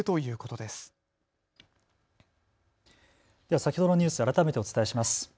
では先ほどのニュース改めてお伝えします。